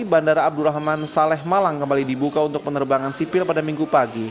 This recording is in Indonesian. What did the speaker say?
bandara abdurrahman saleh malang kembali dibuka untuk penerbangan sipil pada minggu pagi